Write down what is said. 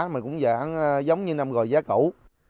mà cũng giống như năm rồi giá cũ